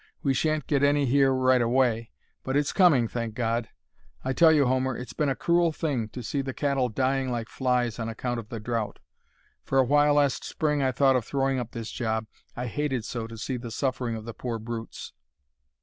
We shan't get any here right away, but it's coming, thank God! I tell you, Homer, it's been a cruel thing to see the cattle dying like flies on account of the drouth. For a while last Spring I thought of throwing up this job, I hated so to see the suffering of the poor brutes."